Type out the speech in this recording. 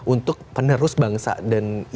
untuk penerus bangsa dan